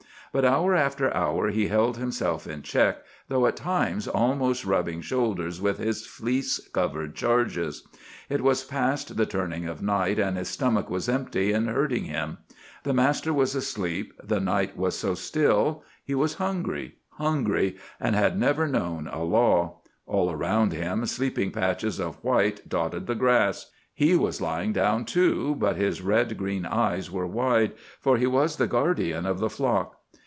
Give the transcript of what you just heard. But hour after hour he held himself in check, though at times almost rubbing shoulders with his fleece covered charges. It was past the turning of night, and his stomach was empty, and hurting him. The master was asleep; the night was so still; he was hungry, hungry, and had never known a law! All around him sleeping patches of white dotted the grass. He was lying down, too, but his red green eyes were wide, for he was the guardian of the flock.